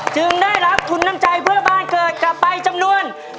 ได้รับทุนน้ำใจเพื่อบ้านเกิดกลับไปจำนวน